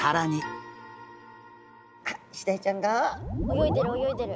泳いでる泳いでる。